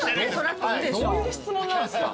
どういう質問なんすか？